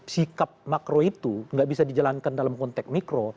sikap makro itu nggak bisa dijalankan dalam konteks mikro